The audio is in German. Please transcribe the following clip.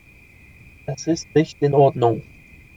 Es ist nicht in Ordnung.